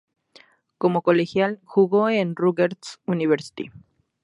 Como colegial jugó en Rutgers University.